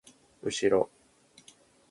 うしろ